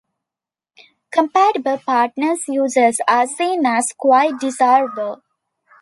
Compatible Partners' users are seen as quite desirable.